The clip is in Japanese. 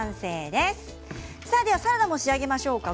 ではサラダも仕上げましょうか。